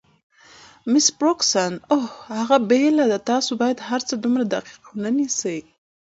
مس فرګوسن: اوه، هغه بېله ده، تاسي باید هرڅه دومره دقیق ونه نیسئ.